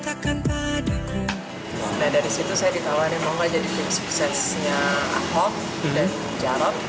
dari situ saya ditawarin mau gak jadi film suksesnya ahok dan jarot